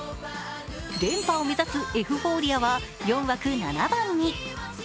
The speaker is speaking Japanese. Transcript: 連覇を目指すエフフォーリアは４枠７番に。